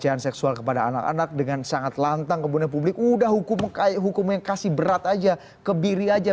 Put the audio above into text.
pelecehan seksual kepada anak anak dengan sangat lantang kemudian publik udah hukum yang kasih berat aja kebiri aja